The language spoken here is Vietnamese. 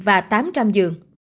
và tám trăm linh dường